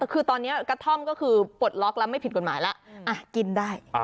คือตอนนี้กระท่อมก็คือปลดล็อกแล้วไม่ผิดกฎหมายแล้วกินได้